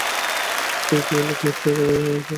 প্রীতি, এই লোক নিশ্চয়ই একেবারেই কমজোর।